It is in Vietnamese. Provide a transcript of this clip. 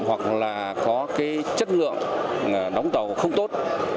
hoặc là có cái chất lượng đóng tàu không tốt